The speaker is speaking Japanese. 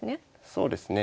そうですね。